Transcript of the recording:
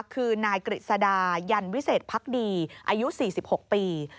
คือนายกฤษดายันวิเศษพักดีอายุ๔๖ปี